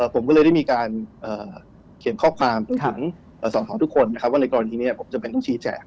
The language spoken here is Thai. ผมก็เลยได้มีการเขียนข้อความจนถึงส่อทุกคนนะครับว่าในกรณีนี้ผมจำเป็นต้องชี้แจง